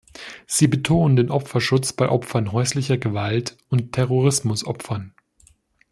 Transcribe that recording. Sie betonen den Opferschutz bei Opfern häuslicher Gewalt und Terrorismusopfern.